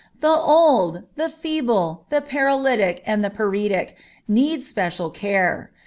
The old, the feeble, the paralytic, and paretic need special care.